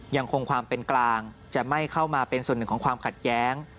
ยังคงความเป็นกลางจะไม่เข้ามาเป็นส่วนหนึ่งของความขัดแย้ง